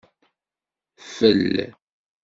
Fel